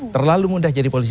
terlalu mudah jadi polisi